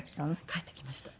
帰ってきました。